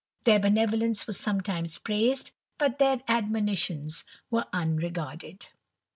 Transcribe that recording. Their benevolence was sometimes praised, but their admonitions were unregarded.